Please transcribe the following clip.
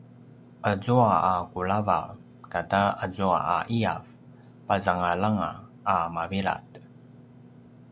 azua a kulavav kata azua a ’iyav pazangalanga a mavilad